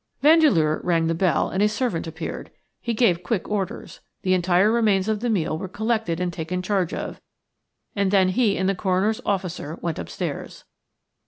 Vandeleur rang the bell and a servant appeared. He gave quick orders. The entire remains of the meal were collected and taken charge of, and then he and the coroner's officer went upstairs.